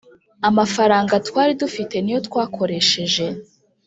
Amafaranga twari dufite niyo twakoresheje